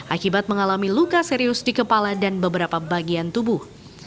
akibat mengalami luka serius di kepala dan beberapa bagian tubuh